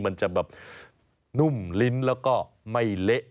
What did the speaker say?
มันจะแบบนุ่มลิ้นแล้วก็ไม่เละ